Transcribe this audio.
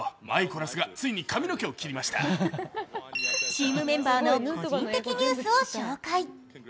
チームメンバーの個人的ニュースを紹介。